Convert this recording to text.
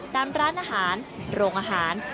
ตามร้านอาหารโรงอาหาร